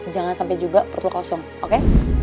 jangan sampe juga perut lo kosong oke